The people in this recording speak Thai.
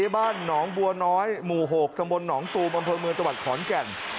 บ้านหนองบัวน้อยหมู่๖ตำบลหนองตูมอำเภอเมืองจังหวัดขอนแก่น